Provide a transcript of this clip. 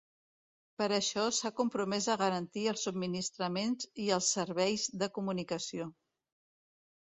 Per això s’ha compromès a garantir els subministraments i els serveis de comunicació.